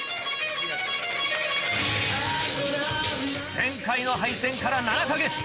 前回の敗戦から７か月。